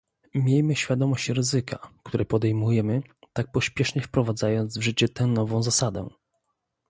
miejmy świadomość ryzyka, które podejmujemy, tak pośpiesznie wprowadzając w życie tę nową zasadę